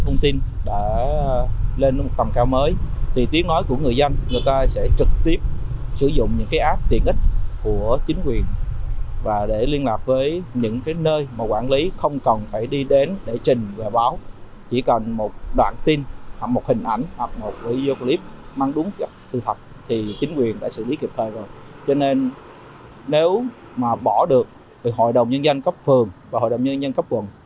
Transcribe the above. nếu mà bỏ được thì hội đồng nhân dân cấp phường và hội đồng nhân dân cấp quận